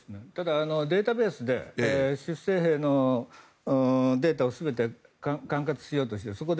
ただデータベースで出征兵のデータを全て管轄しようとしている。